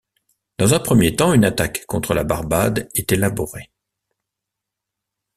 Dans un premier temps, une attaque contre la Barbade est élaborée.